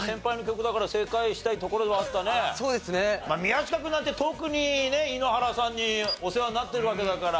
宮近君なんて特にね井ノ原さんにお世話になってるわけだから。